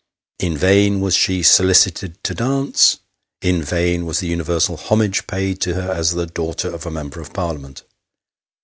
In vain was she solicited to dance ; in vain was the universal homage paid to her as the daughter of a Member of Parliament.